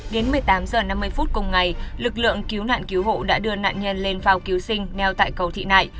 đến một mươi tám h năm mươi phút cùng ngày lực lượng cứu nạn cứu hộ đã đưa nạn nhân lên phao cứu sinh neo tại cầu thị nại